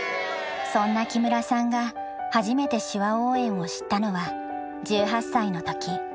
そんな木村さんが初めて手話応援を知ったのは１８歳の時。